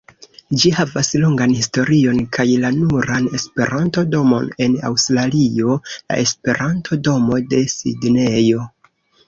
Ĝi havas longan historion kaj la nuran Esperanto-domon en Aŭstralio: la Esperanto-domo de Sidnejo.